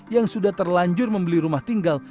yang sudah terlanjur membeli rumah tinggal